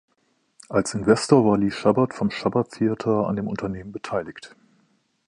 Als Investor war Lee Shubert vom Shubert Theater an dem Unternehmen beteiligt.